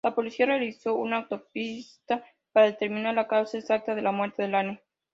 La policía realizó una autopsia para determinar la causa exacta de muerte de Lane.